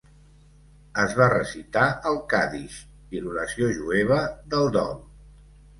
Es va recitar el Kaddish, l'oració jueva del dol.